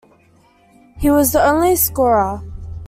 He was the only scorer.